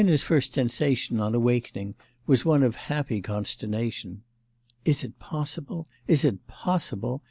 XXI Elena's first sensation on awakening was one of happy consternation. 'Is it possible? Is it possible?